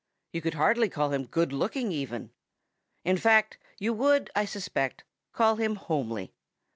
You would hardly call him good looking even. In fact, you would, I suspect, call him homely.